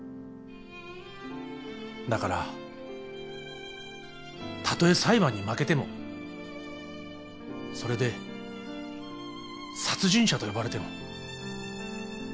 だからたとえ裁判に負けてもそれで殺人者と呼ばれても僕は後悔しない。